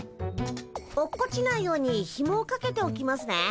落っこちないようにひもをかけておきますね。